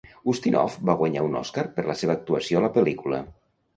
Ustinov va guanyar un Oscar per la seva actuació a la pel·lícula.